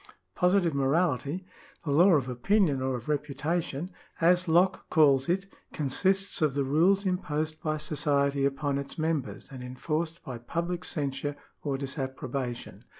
Positive morality — the law of opinion or of reputation, as Locke calls it — consists of the rules imposed by society upon it ^ members and enforced by public censure or disapprobation.